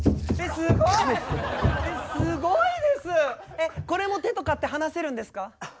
えっこれも手とかって離せるんですか？